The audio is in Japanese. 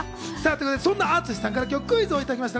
その淳さんから今日、クイズをいただきました。